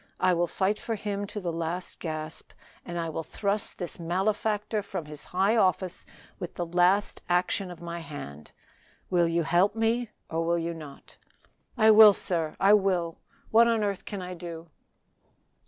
I will fight for Him to the last gasp, and I will thrust this malefactor from his high office with the last action of my hand Will you help me, or will you not?" "I will, sir! I will! What on earth can I do?"